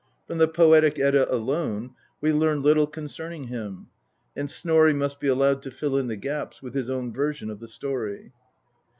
From the poetic Edda alone we learn little concerning him, and Snorri must be allowed to fill in the gaps with his own version of the story.